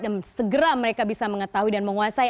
segera mereka bisa mengetahui dan menguasai